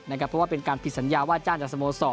เพราะว่าเป็นการผิดสัญญาว่าจ้างจากสโมสร